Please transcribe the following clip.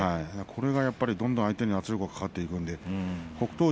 これがやっぱりどんどん相手に圧力がかかっていくので北勝